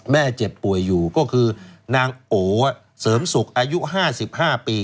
เจ็บป่วยอยู่ก็คือนางโอเสริมสุขอายุ๕๕ปี